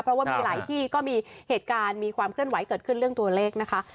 เพราะว่ามีหลายที่ก็มีเหตุการณ์มีความเคลื่อนไหวเกิดขึ้นเรื่องตัวเลขนะคะ